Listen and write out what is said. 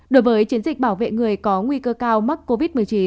đối với chiến dịch bảo vệ người có nguy cơ cao mắc covid một mươi chín